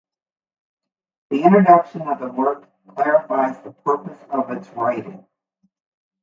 The introduction of the work clarifies the purpose of its writing.